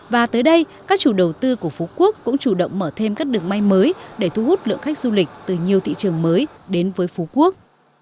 và tới đây các chủ đầu tư của phú quốc cũng chủ động mở thêm các đường bay mới để thu hút lượng khách du lịch từ nhiều thị trường mới đến với phú quốc